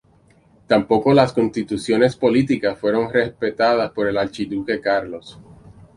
Tampoco las constituciones políticas fueron respetadas por el archiduque Carlos.